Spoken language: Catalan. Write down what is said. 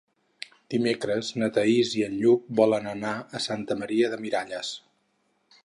Dimecres na Thaís i en Lluc volen anar a Santa Maria de Miralles.